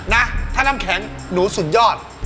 นะถ้าน้ำแข็งหนูสุดยอด